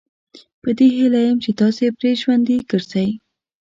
په دې هیله یم چې تاسي پرې ژوندي ګرځئ.